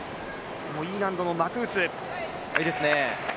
Ｅ難度のマクーツ。